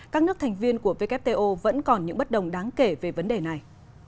các nước thành viên của wto vẫn còn những bất đồng đáng kể về vấn đề này